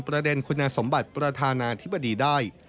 ประเด็นคุณสมบัติประธานาธิบดีได้